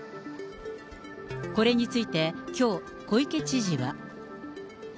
これについてきょう、小池知事は。